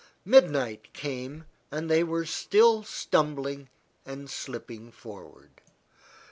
Midnight came, and they were still stumbling and slipping forward.